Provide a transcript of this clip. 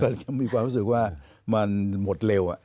ยังมีความรู้สึกว่ามันหมดเร็ว